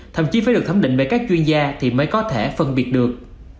thậm chí phải được thấm định bởi các chuyên gia thì mới có thể phân biệt được